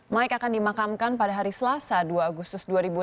mike akan dimakamkan pada hari selasa dua agustus dua ribu enam belas